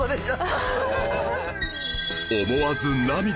思わず涙！